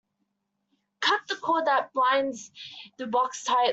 Cut the cord that binds the box tightly.